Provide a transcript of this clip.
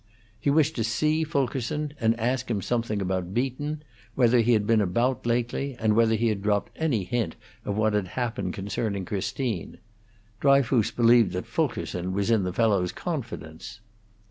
He wished to see Fulkerson, and ask him something about Beaton: whether he had been about lately, and whether he had dropped any hint of what had happened concerning Christine; Dryfoos believed that Fulkerson was in the fellow's confidence.